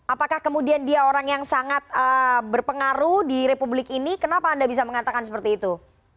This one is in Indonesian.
apakah kemudian dia orang yang sangat berpengaruh di republik ini kenapa anda bisa mengatakan seperti itu